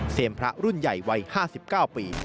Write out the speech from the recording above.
พระรุ่นใหญ่วัย๕๙ปี